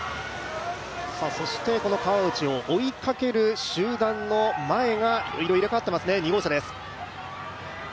川内を追いかける集団の前が入れ替わっていますね、２号車です。